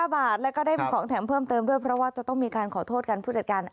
๕บาทแล้วก็ได้ของแถมเพิ่มเติมด้วยเพราะว่าจะต้องมีการขอโทษกันผู้จัดการ